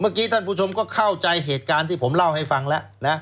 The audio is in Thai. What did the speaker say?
ท่านผู้ชมก็เข้าใจเหตุการณ์ที่ผมเล่าให้ฟังแล้วนะ